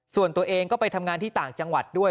ส่วนตัวเองก็ไปทำงานที่ต่างจังหวัดด้วย